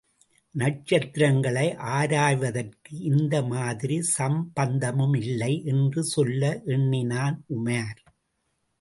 நட்சத்திரங்களை ஆராய்வதற்கும் இந்த மாதிரி சம்பந்தமும் இல்லை என்று சொல்ல எண்ணினான் உமார்.